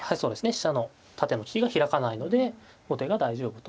飛車の縦の利きが開かないので後手が大丈夫と。